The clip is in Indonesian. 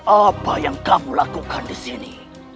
apa yang kamu lakukan disini